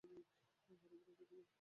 বারে রেখে যাও।